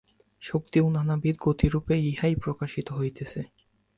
শক্তি ও নানাবিধ গতিরূপে ইহাই প্রকাশিত হইতেছে।